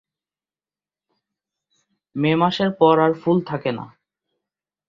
মে মাসের পর আর ফুল থাকে না।